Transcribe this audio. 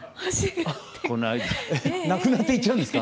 この間。えっ無くなっていっちゃうんですか。